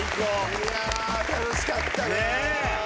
いや楽しかった。